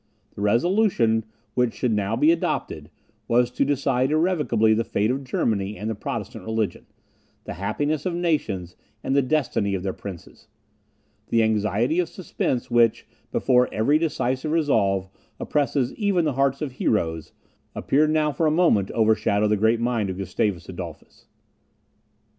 The resolution which should now be adopted, was to decide irrevocably the fate of Germany and the Protestant religion, the happiness of nations and the destiny of their princes. The anxiety of suspense which, before every decisive resolve, oppresses even the hearts of heroes, appeared now for a moment to overshadow the great mind of Gustavus Adolphus.